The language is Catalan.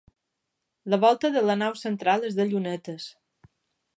La volta de la nau central és de llunetes.